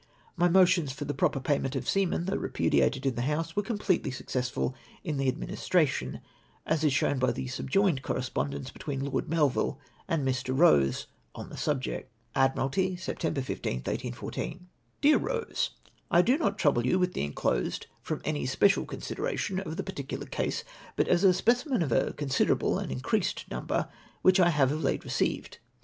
My motions for the proper payment of seamen, though repudiated in the House, were completely successful m the Admin istration, as is shown by the subjoined correspondence between Lord Melville and Mr. Eose on the subject :— "Admiralty, September 15th, 1814. " Dear Rose, — I do not trouble you with tlie inclosed from any special consideration of the particular case, but as a s^Decimen of a considerable and increased number which I liave of late received.